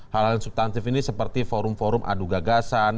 hal yang substantif ini seperti forum forum adu gagasan